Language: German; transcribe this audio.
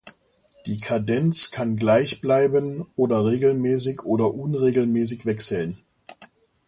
Die Kadenz kann gleich bleiben oder regelmäßig oder unregelmäßig wechseln.